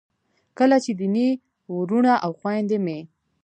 کله چې دیني وروڼه او خویندې مې